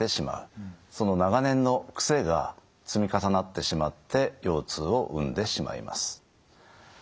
長年の癖が積み重なってしまって腰痛を生んでしまいます。